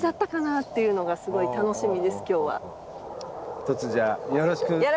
ひとつじゃあよろしくお願いします。